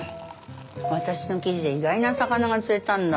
私の記事で意外な魚が釣れたんだ。